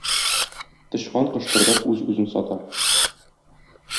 Тычкан кыштырдап үз-үзен сата.